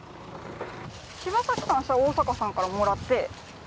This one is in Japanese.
柴崎さんさ大阪さんからもらって。